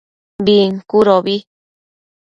Bincudobi